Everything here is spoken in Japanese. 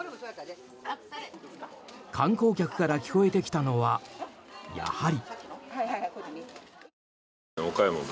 観光客から聞こえてきたのはやはり。